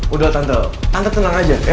udah tante tante tenang aja ya